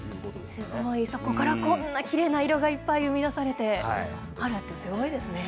すごい、そこからこんなきれいな色が、いっぱい生み出されてあるなんてすごいですよね。